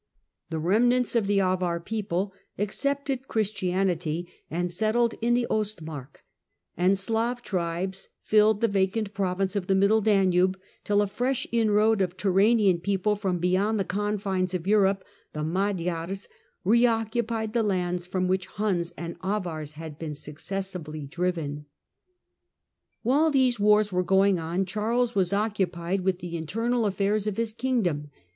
The remnants of the Avar people accepted Chris tianity, and settled in the Ostmark, and Slav tribes filled the vacant province of the middle Danube, till a fresh inroad of Turanian people from beyond the confines of Europe — the Magyars — reoccupied the lands from which Huns and Avars had been successively driven. While these wars were going on Charles was oc Domestic cupied with the internal affairs of his kingdom.